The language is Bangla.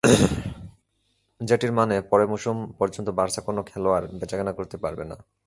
যেটির মানে পরের মৌসুম পর্যন্ত বার্সা কোনো খেলোয়াড় বেচাকেনা করতে পারবে না।